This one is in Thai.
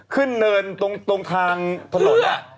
ขึ้นเนินตรงทางถนน